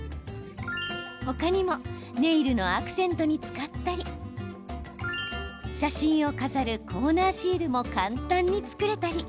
他にもネイルのアクセントに使ったり写真を飾るコーナーシールも簡単に作れたり。